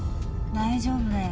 大丈夫だよ。